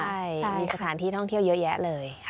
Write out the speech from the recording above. ใช่มีสถานที่ท่องเที่ยวเยอะแยะเลย